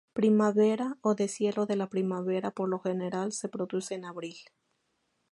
Primavera, o deshielo de la primavera, por lo general se produce en abril.